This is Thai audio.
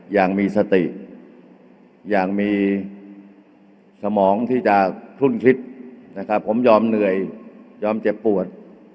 อย่างมีสติอย่างมีสมองที่จะคลุ่นคิดนะครับผมยอมเหนื่อยยอมเจ็บปวด